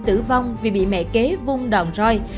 tử vong vì bị mẹ kế vung đòn roi